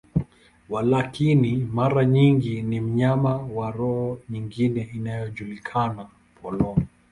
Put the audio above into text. Walakini, mara nyingi ni mnyama wa roho nyingine inayojulikana, polong.